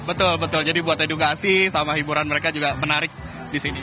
betul betul jadi buat edukasi sama hiburan mereka juga menarik di sini